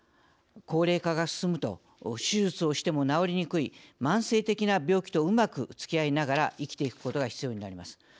高齢化が進むと手術をしても治りにくい慢性的な病気とうまくつきあいながら生きていくことが必要になります。